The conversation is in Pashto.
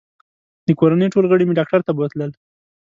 د کورنۍ ټول غړي مې ډاکټر ته بوتلل